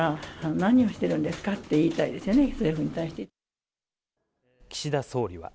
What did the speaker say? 何をしているんですかって言いた岸田総理は。